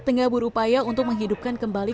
tengah berupaya untuk menghidupkan kembali